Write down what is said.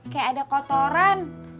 kayak ada kotoran